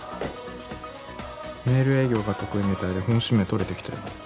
メール営業が得意みたいで本指名取れてきたよ。